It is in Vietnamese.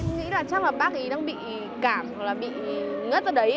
em nghĩ là chắc là bác ấy đang bị cảm hoặc là bị ngất ra đấy